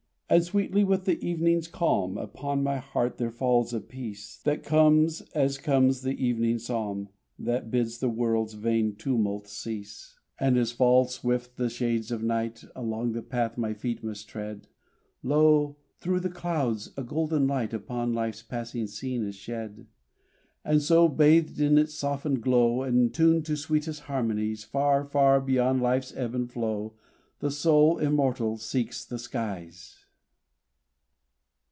And sweetly with the evening's calm Upon my heart there falls a peace, That comes as comes the evening psalm, That bids the world's vain tumult cease. And as fall swift the shades of night Along the path my feet must tread, Lo! through the clouds a golden light Upon Life's passing scene is shed. And so, bathed in its softened glow, And tuned to sweetest harmonies Far, far beyond Life's ebb and flow The soul, immortal, seeks the skies!